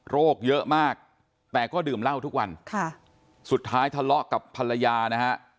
เยอะมากแต่ก็ดื่มเหล้าทุกวันค่ะสุดท้ายทะเลาะกับภรรยานะฮะ